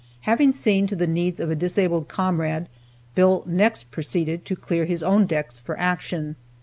Having seen to the needs of a disabled comrade, Bill next proceeded to clear his own decks for action.